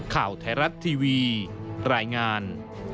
ข่าวไทยรัฐทีวีรายงาน